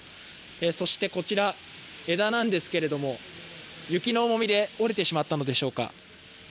そしてこちら、枝なんですけれども雪の重みで折れてしまったのでしょうか。